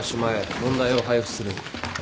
問題を配布する。